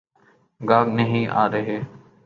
گاہک نہیں آرہے۔